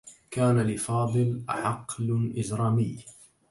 كان لفاضل عقل إجرامي.